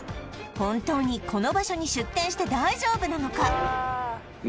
本当にこの場所に出店して大丈夫なのか？